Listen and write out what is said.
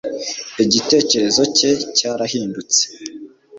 Igitekerezo cye cyarahindutse